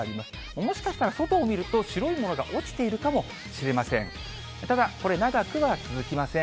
もしかしたら外を見ると、白いものが落ちているかもしれません。